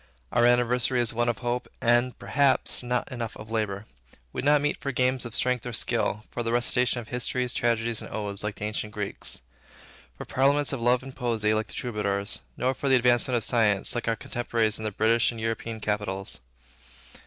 Our anniversary is one of hope, and, perhaps, not enough of labor. We do not meet for games of strength or skill, for the recitation of histories, tragedies, and odes, like the ancient Greeks; for parliaments of love and poesy, like the Troubadours; nor for the advancement of science, like our contemporaries in the British and European capitals.